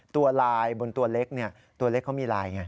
ตัวลายบนตัวเล็กตัวเล็กเขามีลายไง